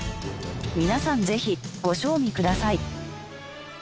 皆さんぜひご賞味ください。